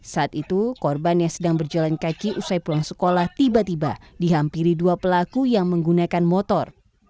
saat itu korban yang sedang berjalan kaki usai pulang sekolah tiba tiba dihampiri dua pelaku yang menggunakan motor